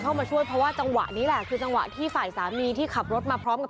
เข้ามาช่วยเพราะว่าจังหวะนี้แหละคือจังหวะที่ฝ่ายสามีที่ขับรถมาพร้อมกับ